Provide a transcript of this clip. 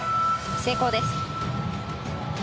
成功です。